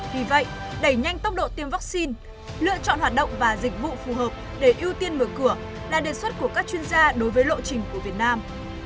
vì vậy đẩy nhanh tốc độ tiêm vaccine lựa chọn hoạt động và dịch vụ phù hợp để ưu tiên mở cửa là đề xuất của các chuyên gia đối với lộ trình của việt nam